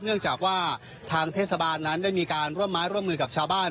เนื่องจากว่าทางเทศบาลนั้นได้มีการร่วมไม้ร่วมมือกับชาวบ้าน